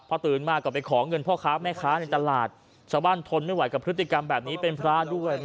พอตื่นมาก็ไปขอเงินพ่อค้าแม่ค้าในตลาดชาวบ้านทนไม่ไหวกับพฤติกรรมแบบนี้เป็นพระด้วย